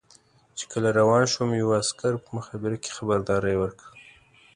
چې کله روان شوم یوه عسکر په مخابره کې خبرداری ورکړ.